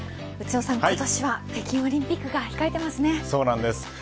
内野さん、今年は北京オリンピックが控えていますね。